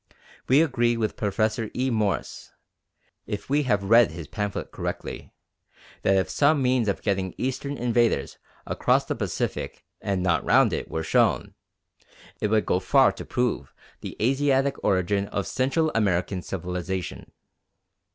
We agree with Professor E. Morse (if we have read his pamphlet correctly) that if some means of getting Eastern invaders across the Pacific and not round it were shown, it would go far to prove the Asiatic origin of Central American civilisation.